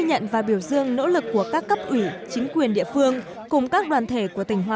nhận và biểu dương nỗ lực của các cấp ủy chính quyền địa phương cùng các đoàn thể của tỉnh hòa